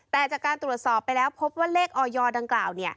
แต่จากการตรวจสอบไปแล้วพบว่าเลขออยดังกล่าว